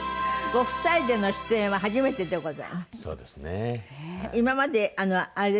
ご夫妻での出演は初めてでございます。